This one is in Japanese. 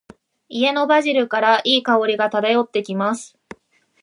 家のバジルから、良い香りが漂ってきます。